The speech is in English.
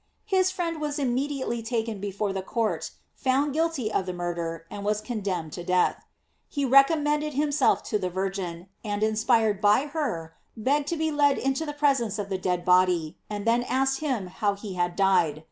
His friend was immediately taken before the court, found guilty of the murder, and was condemned to death. He recommended himself to the Vir gin, and, inspired by her, begged to be led into the presence of the dead body, and then asked him how he had died.